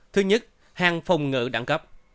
thứ nhất hàng phong ngự đẳng cấp